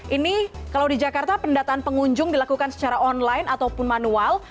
ini kalau di jakarta pendataan pengunjung dilakukan secara online ataupun manual